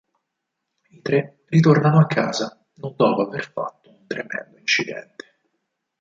I tre ritornano a casa, non dopo aver fatto un tremendo incidente.